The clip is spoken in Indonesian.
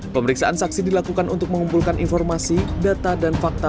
pemeriksaan saksi dilakukan untuk mengumpulkan informasi data dan fakta